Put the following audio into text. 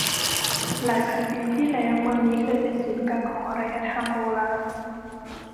หลายพันปีที่แล้วเมืองนี้เคยเป็นศูนย์กลางของอารยธรรมโบราณ